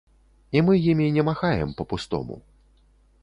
І мы імі не махаем па-пустому.